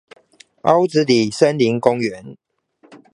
凹子底森林公園